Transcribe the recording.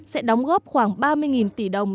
sẽ đóng góp khoảng ba mươi tỷ đồng